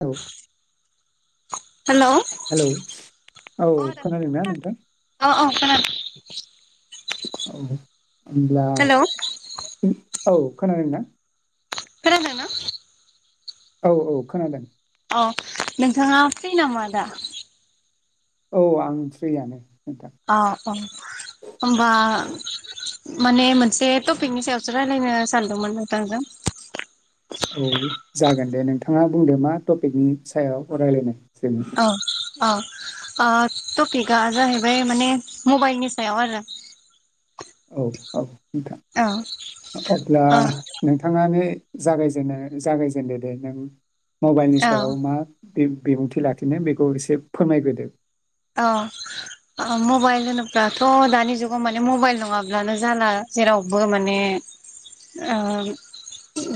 औ [inaudible] हेलौ औ खोनादों ना नोंथां अ अ खोनादों औ होनब्ला हेलौ औ खोनादों ना? खोनादों ना? औ-औ खोनादों औ नोंथाङा फ्रि नामा दा औ आं फ्रियानो नोंथां अ अ होमबा माने मोनसे टपिकनि सायावसो रायलायनो सानदोंमोन नोंथांजों औ जागोन दे नोंथाङा बुंदो मा टपिकनि सायाव रायलायनो जोङो औ औ ओ टकिकआ जाहैबाय माने मबाइलनि सायाव आरो औ औ नोंथां औ अब्ला औ नोंथाङानो जागायजेनो जागायजेनदो दे नों मबाइलनि औ सायाव मा बे बिबुंथि लाखिनो बेखौ एसे फोरमायग्रोदो औ ओ मबाइल होनोब्लाथ' दानि जुगाव माने मबाइल नङाब्लानो जाला जेरावबो माने ओ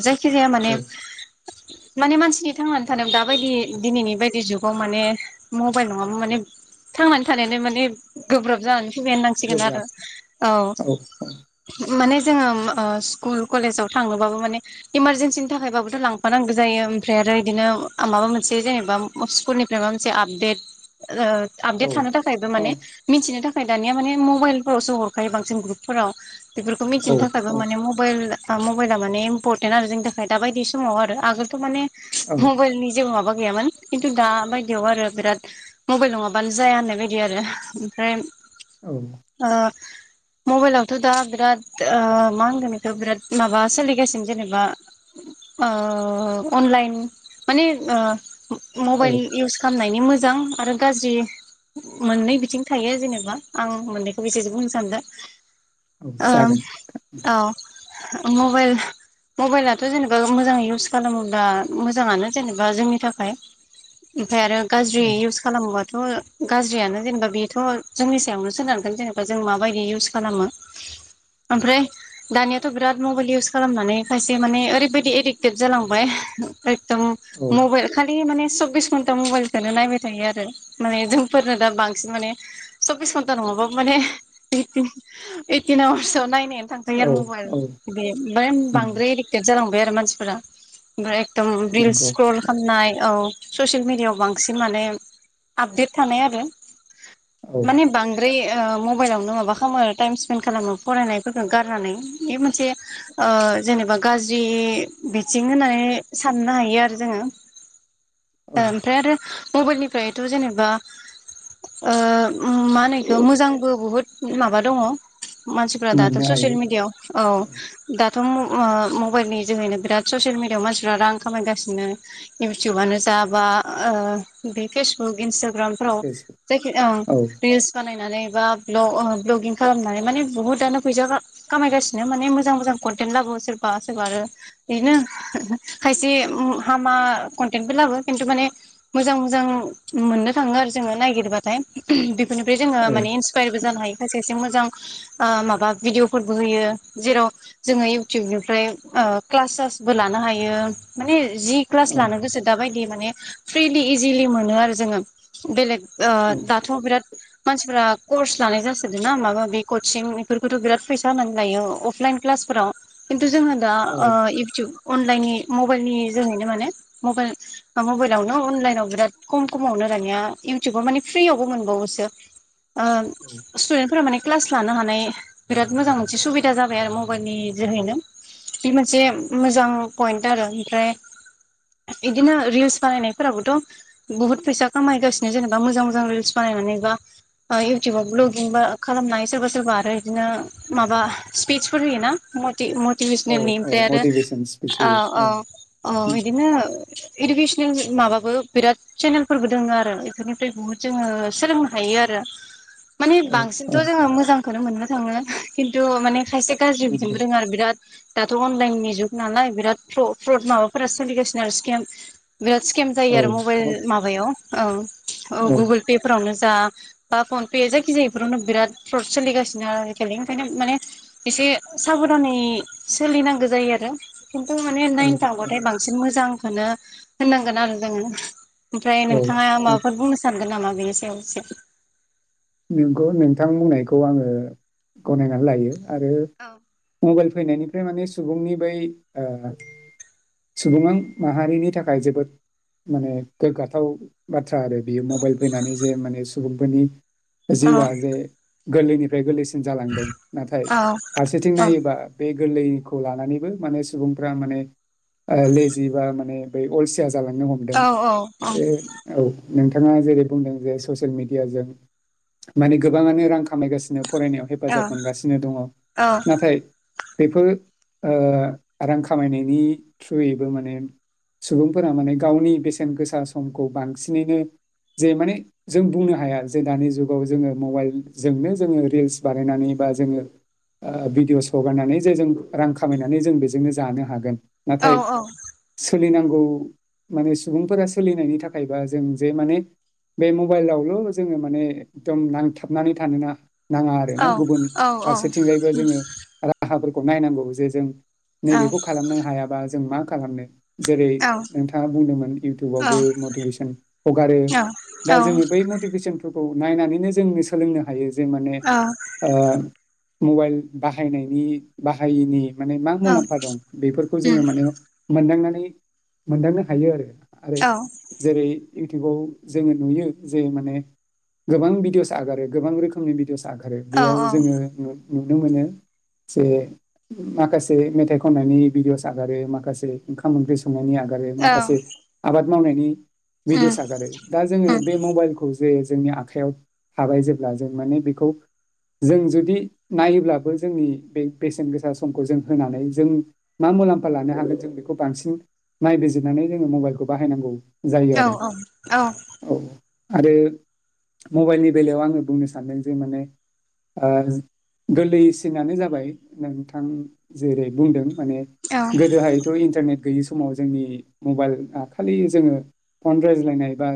जायखि जाया माने औ माने मानसिनि थांनानै थानाय दाबायदि दिनैनि बायदि जुगाव माने मबाइल नङाबा माने थांनानै थानायानो माने गोब्राब जानानै सुब नांसिगोन आरो गोब्राब औ माने जोङो ओ स्कुल कलेजाव थांनोबाबो माने इमारजेेनसिनि थाखायबाबोथ' लांफानांगौ जायो ओमफ्राय आरो बिदिनो माबा मोनसे जेनेबा स्कुलनिफ्राय माबा मोनसे आपडेट ओ औ आपडेट थानो थाखायबो औ माने मिथिनो थाखा फ्राय दानिया माने मबाइलफोरावसो हरखायो बांसिन ग्रुपफोराव बेफोरखौ औ मिथिनो थाखायबो माने मबाइल मबाइला माने इम्परटेन्ट आरो जोंनि थाखाय दा बायदि समाव आरो आगोलथ' माने औ मबाइलनि जेबो माबा गैयामोन खिन्थु दा बायदियाव आरो बिराद मबाइल नङाबा नो जाया होननाय बायदि आरो ओमफ्राय औ ओ मबाइलावथ' दा बिराद ओ मा होनगोन बेखौ' ओ बिराद माबा सोलिगासिनो जेनेबा ओ अनलाइन माने ओ औ मबाइल इउज खालामनाय नि मोजां आरो गाज्रि मोननै बिथिं थायो जेनेबा आं मोननैखौ बेसेजों बुंनो सानदों औ औं जागोन औ। मबाइल मबाइलाथ' जेनेबा मोजाङै इउस खालामोब्ला मोजाङानो जेनेबा जोंनि थाखाय ओमफ्राय आरो गाज्रि इउस खालामोबा थ' गाज्रियानो जेनेबा बेथ' जोंनि सायावनो सोनारगोन जेनेबा जों माबायदि इउस खालामो ओमफ्राय दानियाथ' बिराद मबाइल इउस खालामनानै खायसे माने ओरैबायदि एडिक्टेड जालांबाय एकदम औ मबाइल खालि माने सब्बिस घन्टा मबाइलखौनो नायबाय थायो आरो। माने जोंफोरनो दा बांसिन माने सब्बिस घन्टा नङाबाबो माने इ ओइटिन आवार्सआव नायनाय थांखायो औ आरो मबाइल औ बे ओमफ्राय उम, बांद्राय एडिक्टेड जालांबाय बेर मानसिफोरा ओमफ्राय एकदम बिल नंगौ स्क्रल खालामनाय औ। ससियेल मिडियाआव बांसिन माने आपडेट थानाय आरो। औ माने बांद्राय मबाइलावनो माबा खालामो टाइम स्पेन्ड खालामो फरायनायफोरखौ गारनानै बे मोनसे ओ जेनेबा गाज्रि बिथिं होननानै साननो हायो आरो जोङो। औ ओमफ्राय आरो मबाइलनिफ्राय थ' जेनेबा ओ मा होनो इखो मोजांबो बुहुद माबा दङ मानसिफ्रा दाथ' मोननो ससियेल हायो मिडियाआव औ दा थ' मबाइलनि जोहैनो बिराद ससियेल मिडियायाव रां खामाय गासिनो मानसिफ्रा रां खामायगासिनो इउटुबानो जा बा बे फेसबु [unintelligible] फेसबुक औ [unintelligible] नानै ब्लगिं खालामनानै माने बुहुतानो फैसा खामायगासिनो माने मोजां मोजां कनटेन्त लाबो सोरबा सोरबा आरो बिदिनो खायसे हामा कनटेन्टबो लाबो खिन्थु माने मोजां मोजां मोननो थाङो आरो जोङो नायगिरबाथाय। बेनिफ्राय जों औ माने इन्सपायारबो जानो हायो खायसे मोजां ओ माबा भिडिअफोरबो होयो जेराव जोङो इउटुबनिफ्राय क्लासेबो लानो हायो माने जि क्लास औ लानो गोसो दाबायदि माने फ्रिलि इजिलि मोनो आरो। जोङो बेलेग ओ औ दाथ' बिराद मानसिफोरा कर्स लानाय जासोदों ना माब मााबि कचिं बेफोरखौथ' बिराद फैसा होनानै लायो अफलाइन क्लासफोराव जोंहा दा औ इउटुब अनलाइननि मबाइलनि जोहैनो माने मबाइलावनो अनलाइनाव बिराद कम खमावनो दानिया इउटुबाव माने फ्रियावबो मोनबावोसो। ओ स्टुदेन्टफोरा माने क्लास लानो हानाय बिराद मोजां मोनसे सुबिदा जाबाय आरो मबाइलनि जोहैनो बे मोनसे मोजां पइन्ट आरो ओमफ्राय बिदिनो रिल्स बानायनायफोराबोथ' बुहुत फैसा खामायगासिनो जेनेबा मोजां मोजां रिल्स बानायनानै बा ओ इउटुबाव ब्लगिं बा खालामनानै सोरबा सोरबा आरो बिदिनो माबा स्पिटसफोर होयोना औ मतिभेसनेलनि औ ओमफ्राय आरो मटिभेसन स्पिच होयो औ उम, इदिनो इदुकेसनेल माबाबो बिराद चेनेलफोरबो दोङो आरो बेफोरनिफ्राय बुहुत जोङो सोलोंनो हायो आरो मानि औ बांसिनथ' औ जोङो मोजां खोनो मोननो थाङो खिन्थु माने खायसे गाज्रि बिथिंबो नंगौ दोङो आरो बिराद दाथ' अनलाइननि जुग नालाय बिराद फ्रड माबाफोरा सोलिगासिनो आरो स्केम बिराद स्केम जायो औ आरो मबाइल नायाव ओं औ गुगोल पे फोरावनो जा बा फनपे जायखिजाया बेफोरावनो बिराद फ्रद सोलिगासिनो आरो आजिखालि ओंखायनो माने एसे साबधानै सोलिनांगो जायो आरो। खिन्थु माने औ नायनो औ थांबाथाय बांसिन मोजां खोनो होननांगोन आरो जोङो। ओमफ्राय नोंथाङा माबाफोर बुंनो सान गोन नामा बेनि सायाव इसे नोंगौ नोंथां बुंनायखौ आङो गनायनानै लायो। आरो मबेल फैनायनिफ्राय माने सुबुंनि बै ओ सुबं माहारिनि थाखाय जोबोद माने गोग्गाथाव बाथ बाथ्रा आरो बियो मबाइल फैनानै जे माने सुबुंफोरनि औ औ जिउआ जे गोरलैनिफ्राय गोरलैसि सिन जालांदों नाथाय औ फारसेथिं नायोबा बे गोरलैखौ लानानैबो माने सुबुंफोरा माने ओ लेजि बा माने बै अलसिया जालांनो हमदों आरो औ। नोंथाङा जेरै बुंदों जे ससियेल मेडियाजों माने गोबाङानो रां खामायगासिनो। फरायनायाव हेफाजाब मोनगासिनो दङ नाथाय बेफोर ओ रां खामायनायनि थ्रुयैबो माने सुबुंफोरा माने गावनि बेसेन गोसा समखौ बांसिनैनो जे माने जों बुंनो हाया जे दानि जु जुगाव जोङो मबाइलजोंनो जोङो रिल्स बानायनानै बा जोङो ओ भिडिअस हगारनानै जे जों रां खामायनानै जों बेजोंनो जानो हागोन। औ नाथाय औ। सोलिनांगौ माने सुबुंफोरा सोलिनायनि थाखायबा जों जे माने बे मबाइलावल' जोङो माने एकदम नांथाबनानै थानोना नाङा आरो ना गुबुन फारसेथिंजायबो जोङो राहाफोर खौ नायनांगौ जे जों। नैबेखौ खालामनो हायाबा जों मा खालामनो? जेरै नोंथाङा बुंदोंमोन इउटुबावबो मटिभेसन हगारो दा जोङो बै मटिभेसन [unintelligible] नायनानैनो जोंनो सोलोंनो हायो। जे माने ओ मबाइल बाहायनायनि बाहायैनि। माने मा मुलाम्फा दं बेफोरखौ जोङो माने मोनदांना ओइ मोनदांनो हायो आरो। आरो जेरै। इउटुबाव जोङो नुयो जे माने। गोबां भिडिअस आगारो गोबां रोखोमनि भिदिअस। आगारो बेयाव जोङो नु नुनो मोनो जे माखासे मेथाइ खननायनि भिडिअ'स सागारो माखासे ओंखाम ओंख्रि स [unintelligible] नि आगारो माखासे आबाद। मावनायनि। भिडिअ'स आगारो दा जोङो बे मबाइलखौ। जे जोंनि आखाइायाव थाबाय जेब्ला जों माने बेखौ जों जुदि नायोब्लाबो जोंनि बे बेसेन गोसा समखौ जों होनानै जों मा मुलाम्फा लानो हागोन जों बेखौ बांसिन नायबिजिरनानै जोङो मबाइलखौ बाहायनांगौ। जायो आरो औ। आरो। मबाइलनि बेलायाव आङो बुंनो सान्दों जे माने ओ गोरलैसिनानो जाबाय नोंथां जेरै- बुंदों। माने गोदोहायथ' इन्टारनेट। गैयै समाव जोंनि मबाइल ओ खालि जोङो फन रायज्लायनाय बा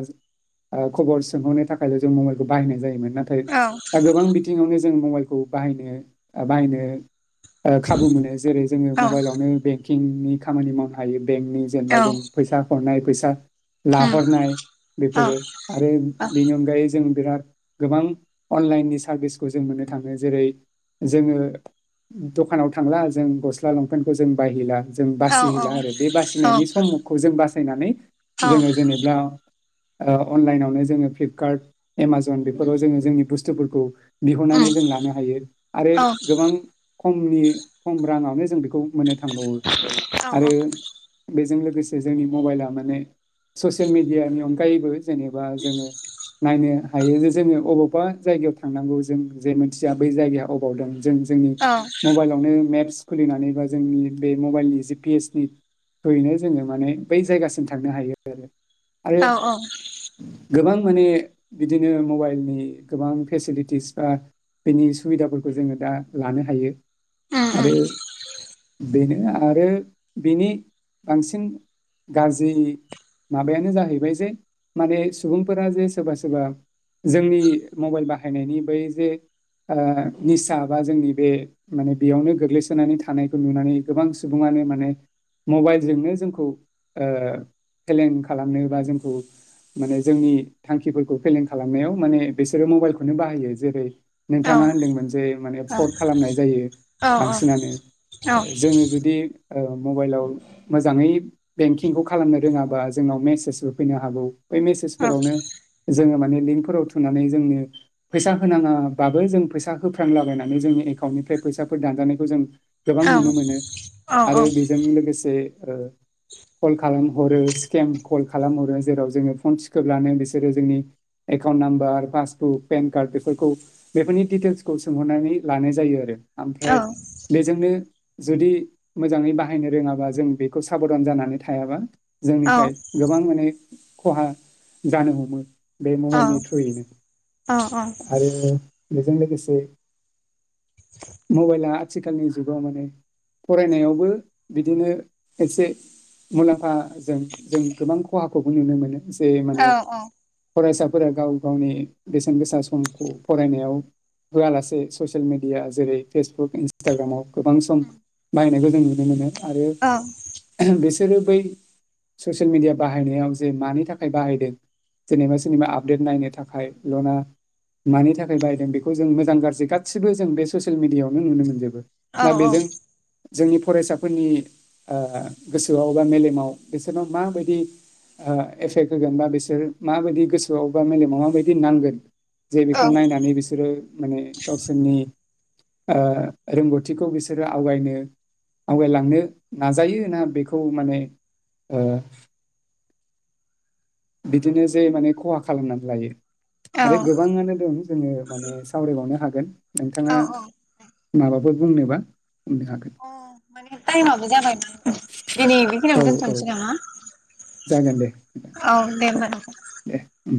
खबर सोंहरनो थाखा बायल जों मबाइलखौ बायनाय जोमोन। नाथाय दा गोबां बिथिङावनो जो जों मबेलखौ बाहायनो ओ बाहायनो। ओ खाबु मोनो जेरै- जोङो मबाइलावनो बेंक। किंनि खामानि मावनो हायो। बेंनि जेनेबा जों फैसा हरनाय। फैसा। लाहरनाय बेफोरो आरो बिनि अन जों बिराद गोबां अनलाइननि सार्भिसखौ जों मोननो थाङो जेरै- जोङो दखानाव थांला जों गस्ला लंफपेन्टखौ जों बाहैला। जों बासिहैला आरो बे बासिनायनि समखौ जों बासि। फैनानै जोङो जेनेब्ला। ओ अनलाइनावनो जोङो फ्लिप कारट। एमाज'न बेफोराव जोङो जोंनि बुस थु फोरखौ। बिहरनानै जों लानो हायो आरो गोबां खमनि खम राङावनो जो जों बेखौ। मोननो थांबावो आरो बेजों लोगोसे। से जोंनि मबाइला माने ससियेल मिडियानि अनगायैबो। जेनेबा जोङो। हायो जे जोङो अबावबा जायगायाव थांनांगौ जों जे मिथिया जे बै जायगाया अबाव दं जों जोंनि मबाइलावनो मेप्स- खुलिनानै बा जोंनि बे मबाइलनि जि पि एस नि थ्रुयैनो जोङो माने बै जायगासिम थांनो हायो आरो औ औ गोबां माने बिदिनो मबाइलनि गोबां फेसिलिटिस बा बेनि सुबिदाफोरखौ जोङो दा लानो हायो। आरो बेनो आरो बिनि बांसिन गाज्रि माबायानो जाहैबाय जे माने सुबुंफोरा जे सोरबा सोरबा सोरबा जोंनि मबाइल बाहायनायनि बै जे आ निसा बा जोंनि बे माने बेयावनो गोग्लैसोनानै थानायखौ नुनानै गोबां सुबुङानो माने मबाइलजोंनो जोंखौ ओ फेलें खालामनो बा जोंखौ माने जोंनि थांखिफोरख खौ फेलें खालामनायाव माने बिसोरो मबाइलखौनो बाहायो जेरै नोंथाङा होनदोंमोन जे माने फट खालामनाय जायो बांसिनानो जोङ जुदि अ मबाइलाव मोजाङै बेंकिंखौ खालामनो रोङाबा जोंनाव मेसेज होफैनो हागौ। बै मेसेजफोरावनो। जोङो माने लिंकफोराव थुनानै जोंनो फैसा होनाङाबाबो जों फैसा होफ्रांलाबायनानै जोंनि एकाउन्टनिफ्राय फैसाफोर दानजानायखौ जों गोबां नुनो मोनो आरो बेजों लोगोसे ओ कल खालामहरो स्केम कल खालामहरो जेराव जोङो फन थिखोब्लानो बिसोरो जोंनि account number passbook PAN card बेफोरखौ बेफोरनि डिटेलसखौ सोंहरनानै लानाय जायो आरो। ओमफ्राय बेजोंनो जुदि मोजाङै बाहायनो रोङाबा जों बेखौ साबधान जानानै थायाबा जोंनिफ्राय गोबां माने खहा जानो हमो। बे औ मबाइलनि थ्रुयैनो औ आरो बे बेजों लोगोसे मबाइला आथिखालनि जुगाव माने फरायनायावबो बिदिनो एसे मुलाम्फाजों जों गोबां खहाखौबो नुनो मोनो। जे माने फरायसाफोरा गाव गावनि बेसेन गोसा समखौ फरायनायाव होआलासे ससियेल मिडिया जेरै फेसबुक इटाग्राव गोबां सम नायनायखौ जों जों नुनो मोनो। आरो बेसे बिसोरो बै ससियेल मिडिया बाहायनायाव जे मानि थाखाय बाहायदों जेनेबा सोरनिबा आपडेट नायनो थाखाय लना मानि थाखाय बायदों बेखौ जों मोजां गाज्रि गासिबो जों बे ससियेल मिडियाायावनो नुनो मोनजोबो दा औ औ। बेजों जोंनि फरायसाफोरनि आ गोसोआव बा मेलेमाव बिसोरनाव माबायदि एफेक्ट होगोन बा बिसोर माबायदि गोसोआव बा मेलेमाव माबायदि नांगोन। जे बेखौ नायनानै बिसोरो माने गावसोरनि ओ रोंगौथिखौ बिसोरो आवगायनो आवगायलांनो नाजायो ना बेखौ माने ओ। बिदिनो जे माने खहा खालामनानै लायो। आरो औ गोबाङानो दं जोङो माने सावरायबावनो हाग। गोन औ नोंथाङा औ माबा बुंनोबा बुंनो हागोन अ माने टाइमाबो जाबायना दिनै औ बेखिनियावनो औ दोनथ'नोसै नामा जागोन दे औ दे होमबाल। दे उम